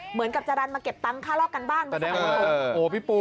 เหมือนกับจารันมาเก็บตังค่าลอกกันบ้านเมื่อสักครู่